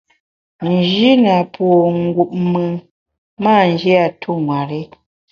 N’ji na po ngup mùn, m’a nji a tu nwer-i.